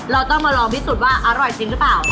เราต้องมาลองพิสูจน์ว่าอร่อยจริงหรือเปล่า